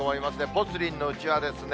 ぽつリンのうちわですね。